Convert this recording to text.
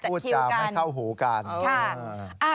แล้วก็พูดจามให้เข้าหูกัน